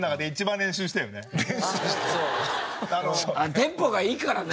テンポがいいからね。